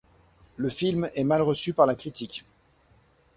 Le film est mal reçu par la critique.